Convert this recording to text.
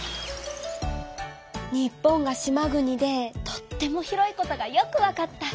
日本が島国でとっても広いことがよくわかった。